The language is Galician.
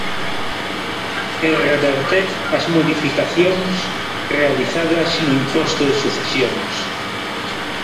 E reverter as modificacións realizadas no imposto de sucesións.